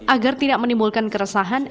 agar tidak menimbulkan keresahan